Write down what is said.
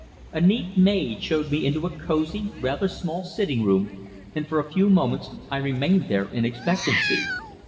A neat maid showed me into a cosy, rather small sitting room, and for a few moments I remained there in expectancy.